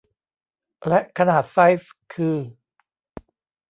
และขนาดไซซ์คือ